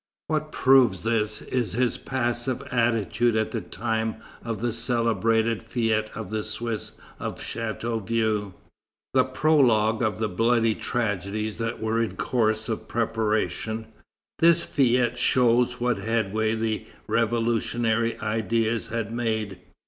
What proves this is his passive attitude at the time of the celebrated fête of the Swiss of Chateauvieux. The prologue of the bloody tragedies that were in course of preparation, this fête shows what headway the revolutionary ideas had made.